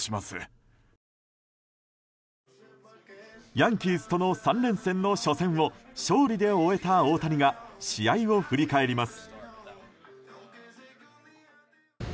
ヤンキースとの３連戦の初戦を勝利で終えた大谷が試合を振り返ります。